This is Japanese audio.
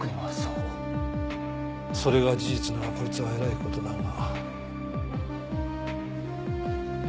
それが事実ならこいつはえらいことだが。